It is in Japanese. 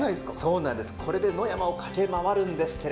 これで野山を駆け回るんですが。